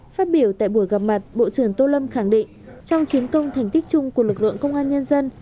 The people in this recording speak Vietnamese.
phát biểu tại buổi gặp mặt bộ trưởng tô lâm khẳng định trong chiến công thành tích chung của lực lượng công an nhân dân